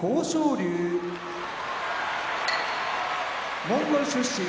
龍モンゴル出身